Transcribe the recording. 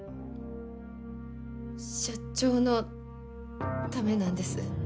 社長のためなんです。